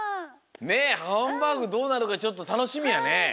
ねえハンバーグどうなのかちょっとたのしみやね。